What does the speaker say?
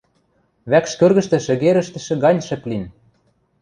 Вӓкш кӧргӹштӹ шӹгерӹштӹшӹ гань шӹп лин.